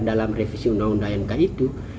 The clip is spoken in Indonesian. dalam revisi undang undang mk itu